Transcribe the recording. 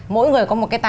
mỗi người có một cái tài